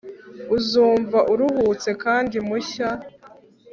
uzumva uruhutse kandi mushya